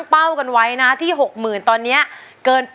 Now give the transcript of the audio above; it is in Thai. คุณยายแดงคะทำไมต้องซื้อลำโพงและเครื่องเสียง